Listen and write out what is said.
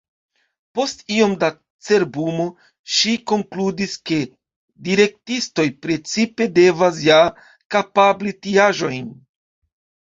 Post iom da cerbumo ŝi konkludis, ke direktistoj principe devas ja kapabli tiaĵojn.